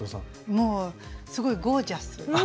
もうすごいゴージャス。